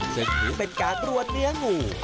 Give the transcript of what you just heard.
ซึ่งถือเป็นการรวนเนื้องู